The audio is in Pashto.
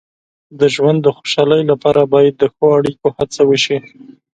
د ژوند د خوشحالۍ لپاره باید د ښو اړیکو هڅه وشي.